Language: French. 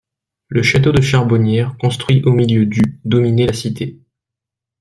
Le château de Charbonnières construit au milieu du dominait la cité.